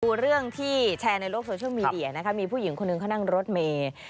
ดูเรื่องที่แชร์ในโลกโซเชียลมีเดียนะคะมีผู้หญิงคนหนึ่งเขานั่งรถเมย์